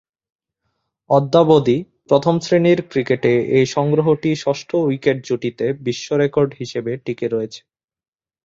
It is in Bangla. অদ্যাবধি প্রথম-শ্রেণীর ক্রিকেটে এ সংগ্রহটি ষষ্ঠ উইকেট জুটিতে বিশ্বরেকর্ড হিসেবে টিকে রয়েছে।